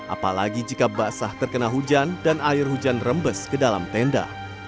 apalagi jika basah terkena hujan dan air hujan rembes ke dalam tenda